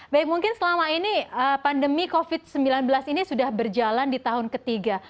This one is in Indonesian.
baik mungkin selama ini pandemi covid sembilan belas ini sudah berjalan di tahun ketiga